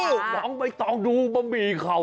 น้องไม่ต้องดูบะหมี่เขา